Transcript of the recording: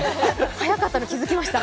早かったの気づきました？